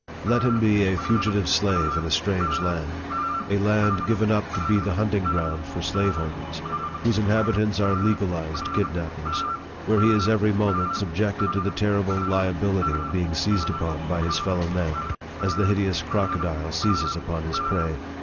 Let him be a fugitive slave in a strange land a land given up to be the hunting ground for slaveholders whose inhabitants are legalized kidnap pers where he is every moment subjected to the terrible liability of being seized upon by his fellow men, as the hideous crocodile seizes upon his prey